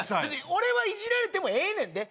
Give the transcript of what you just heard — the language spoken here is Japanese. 俺はいじられてもええねんで。